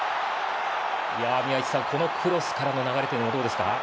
宮市さん、このクロスからの流れどうですか？